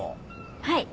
はい。